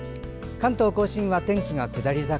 関東・甲信は天気が下り坂。